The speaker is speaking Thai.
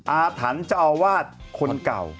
อาถรรพ์เจ้าอาวาสคนเก่า